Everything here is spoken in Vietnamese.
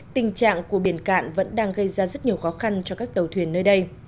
tình trạng của biển cạn vẫn đang gây ra rất nhiều khó khăn cho các tàu thuyền nơi đây